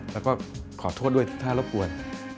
แล้วก็ขอโทษด้วยถ้ารบกวน